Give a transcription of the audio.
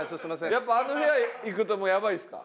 やっぱあの部屋行くともうやばいですか？